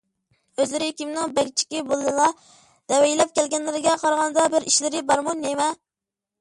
ئۆزلىرى كىمنىڭ بەگچىكى بولىلا؟ دېۋەيلەپ كەلگەنلىرىگە قارىغاندا بىر ئىشلىرى بارمۇ، نېمە؟